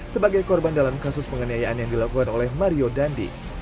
sebagai korban dalam kasus penganiayaan yang dilakukan oleh mario dandi